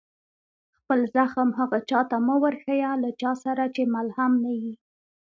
خپل زخم هغه چا ته مه ورښيه، له چا سره چي ملهم نه يي.